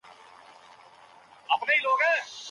طالبان به راغلي وای .